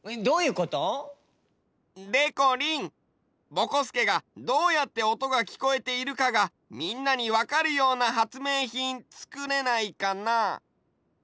ぼこすけがどうやっておとがきこえているかがみんなにわかるようなはつめいひんつくれないかな？